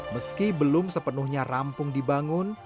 meski belum sepenuhnya rampung dibangun